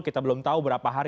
kita belum tahu berapa hari